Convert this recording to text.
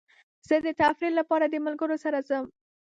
زه د تفریح لپاره د ملګرو سره ځم.